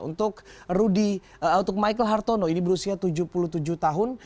untuk michael hartono ini berusia tujuh puluh tujuh tahun